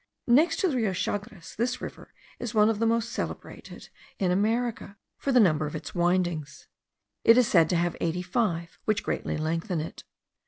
Next to the Rio Chagres this river is one of the most celebrated in America for the number of its windings: it is said to have eighty five, which greatly lengthen it.